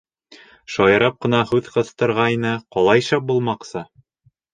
Шаярып ҡына һүҙ ҡыҫтырғайны, ҡалай шәп булмаҡсы.